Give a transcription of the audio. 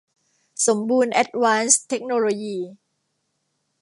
สมบูรณ์ แอ๊ดวานซ์ เทคโนโลยี